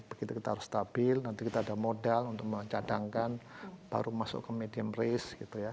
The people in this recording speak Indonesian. begitu kita harus stabil nanti kita ada modal untuk mencadangkan baru masuk ke medium race gitu ya